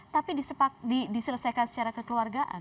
tapi diselesaikan secara kekeluargaan